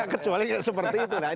kecuali seperti itu